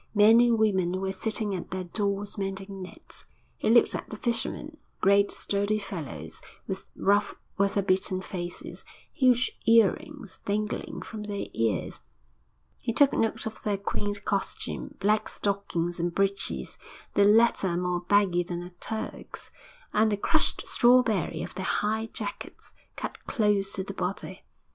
Men and women were sitting at their doors mending nets. He looked at the fishermen, great, sturdy fellows, with rough, weather beaten faces, huge earrings dangling from their ears. He took note of their quaint costume black stockings and breeches, the latter more baggy than a Turk's, and the crushed strawberry of their high jackets, cut close to the body.